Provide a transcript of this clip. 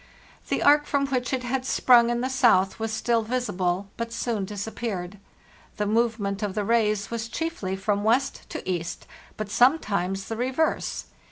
The are from which it had sprung in the south was still visible, but soon disappeared. The movement of the rays was chiefly from west to east, but sometimes the re verse.